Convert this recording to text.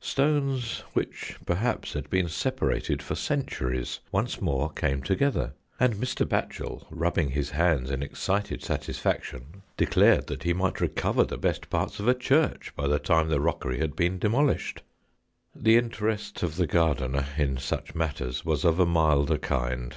Stones which, perhaps, had been separated for centuries, once more came together, and Mr. Batchel, rubbing his hands in excited satisfac 105 &HOST TALES. tion, declared that he might recover the best parts of a Church by the time the rockery had been demolished. The interest of the gardener in such matters was of a milder kind.